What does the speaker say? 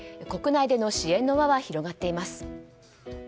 国内での支援の輪は広がっています。